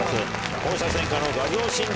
放射線科の画像診断